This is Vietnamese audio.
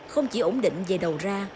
không chỉ ổn định về đầu ra